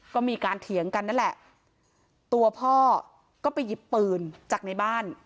ก็มีการเถียงกันนั่นแหละตัวพ่อก็ไปหยิบปืนจากในบ้าน